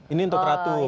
ini untuk ratu